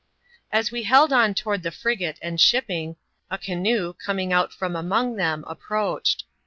As we held on toward the frigate and shipping, a canoe^ coming out from among them, approached.